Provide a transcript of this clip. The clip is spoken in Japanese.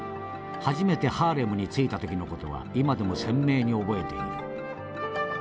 初めてハーレムに着いた時の事は今でも鮮明に覚えている。